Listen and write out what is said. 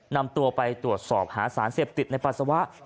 นำตัวไปตรวจสอบหาสารเสพติดในปัสสาวะ